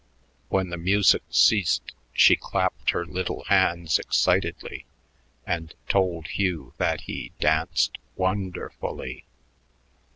When the music ceased, she clapped her little hands excitedly and told Hugh that he danced "won der ful ly."